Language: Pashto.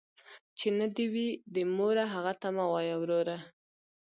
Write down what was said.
ـ چې نه دې وي، د موره هغه ته مه وايه وروره.